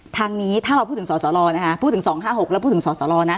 ทางนี้ถ้าเราพูดถึงสสรนะคะพูดถึง๒๕๖แล้วพูดถึงสสลนะ